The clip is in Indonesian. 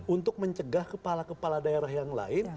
untuk mencegah kepala kepala daerah yang lain